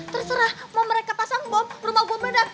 terserah mau mereka pasang bom rumah gue beda